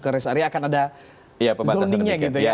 terus area akan ada zoning nya gitu ya